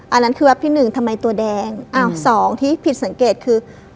อันนั้นคือแป๊บที่หนึ่งทำไมตัวแดงอ้าวสองที่ผิดสังเกตคือ